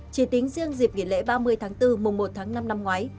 chỉ tính riêng dịp nghỉ lễ ba mươi tháng bốn mùa một tháng năm năm ngoái